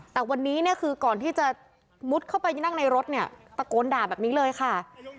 แต่วันนี้เนี่ยคือก่อนที่จะมุดเข้าไปนั่งในรถเนี่ยตะโกนด่าแบบนี้เลยค่ะ